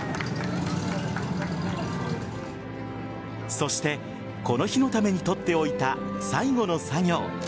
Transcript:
そしてこの日のためにとっておいた最後の作業。